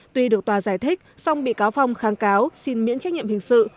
tuy được tòa giải thích song bị cáo phong kháng cáo xin miễn trách nhiệm hình sự